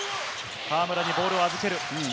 河村にボールを預ける。